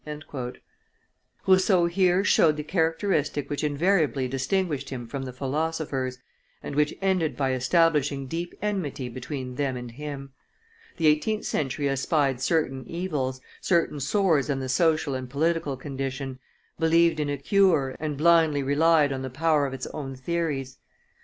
Rousseau here showed the characteristic which invariably distinguished him from the philosophers, and which ended by establishing deep enmity between them and him. The eighteenth century espied certain evils, certain sores in the social and political condition, believed in a cure, and blindly relied on the power of its own theories.